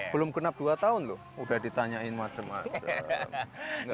belum genap dua tahun loh udah ditanyain macam macam